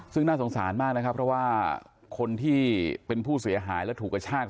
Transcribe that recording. ซึ่งน่าสงสารมากนะครับเพราะว่าคนที่เป็นผู้เสียหายแล้วถูกกระชาก